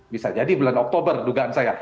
bisa jadi bulan oktober dugaan saya